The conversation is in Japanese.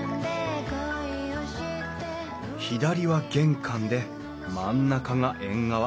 左は玄関で真ん中が縁側。